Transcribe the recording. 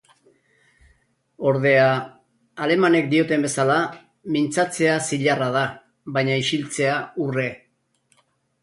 Ordea, alemanek dioten bezala, mintzatzea zilarra da, baina isiltzea urre.